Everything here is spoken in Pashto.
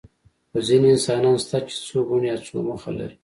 خو ځینې انسانان شته چې څو بڼې او څو مخه لري.